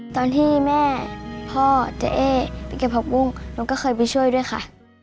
ตอนที่แม่พ่อเจ๊เอ๊ไปเก็บผักบุ้งหนูก็เคยไปช่วยด้วยค่ะ